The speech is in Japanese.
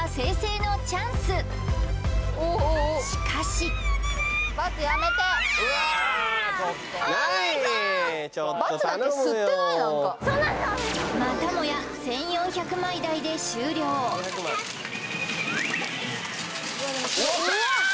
なんかまたもや１４００枚台で終了うわ！